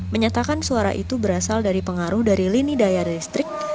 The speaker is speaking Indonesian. menyatakan suara itu berasal dari pengaruh dari lini daya listrik